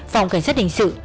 phòng cảnh sát hình sự